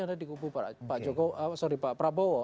yang ada di kubu pak prabowo